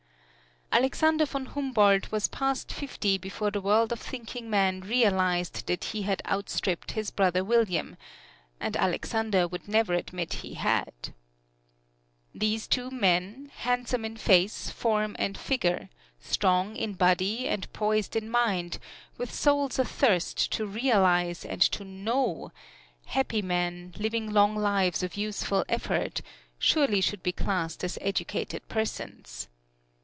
Alexander von Humboldt was past fifty before the world of thinking men realized that he had outstripped his brother William and Alexander would never admit he had. These two men, handsome in face, form and feature: strong in body and poised in mind, with souls athirst to realize and to know happy men, living long lives of useful effort surely should be classed as educated persons.